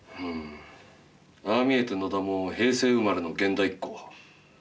うんああ見えて野田も平成生まれの現代っ子。